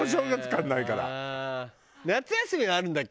夏休みはあるんだっけ？